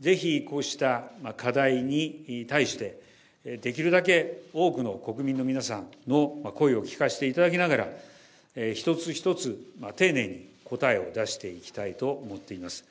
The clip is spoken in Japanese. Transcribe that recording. ぜひこうした課題に対して、できるだけ多くの国民の皆さんの声を聞かせていただきながら、一つ一つ丁寧に答えを出していきたいと思っています。